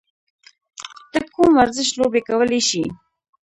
ته کوم ورزش لوبه کولی شې؟